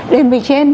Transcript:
đến về trên